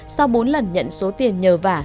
sau bốn lần nhận số tiền nhờ vả